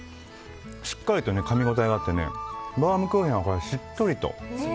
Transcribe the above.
しっかりとかみ応えがあってバウムクーヘンはしっとりと。